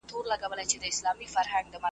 وږی تږی د غار خوله کي غځېدلی .